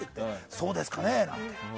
そうですかねって。